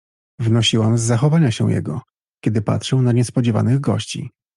"Wnosiłam z zachowania się jego, kiedy patrzył na niespodziewanych gości."